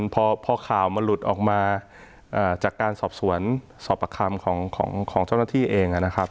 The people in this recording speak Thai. พอข่าวมันหลุดออกมาจากการสอบสวนสอบประคำของเจ้าหน้าที่เองนะครับ